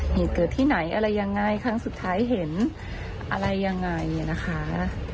เหตุเกิดที่ไหนอะไรยังไงครั้งสุดท้ายเห็นอะไรยังไงนะคะ